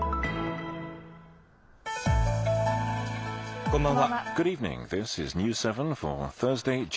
こんばんは。